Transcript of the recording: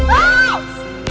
jangan teriak dong